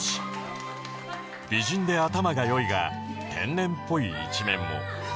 美人で頭が良いが天然っぽい一面も